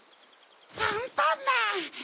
アンパンマン！